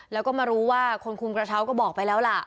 แล้วก็มารู้ว่าคนคุมกระเช้าก็บอกไปแล้วล่ะ